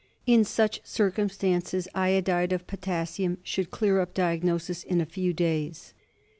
In such circumstances iodide of potassium should clear up diagnosis in a few days.